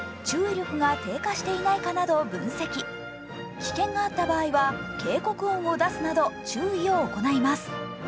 危険があった場合は警告音を出すなど注意を行います。